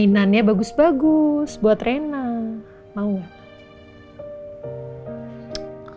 keinginannya bagus bagus buat rena mau gak